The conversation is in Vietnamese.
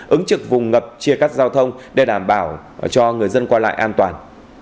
ứng trực vùng ngập chia cắt giao thông để đảm bảo cho người dân qua lại an toàn